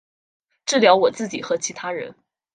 治疗我自己和其他人